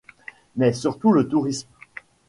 Mais surtout le tourisme.